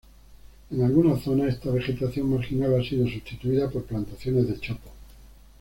En algunas zonas esta vegetación marginal ha sido substituida por plantaciones de chopos.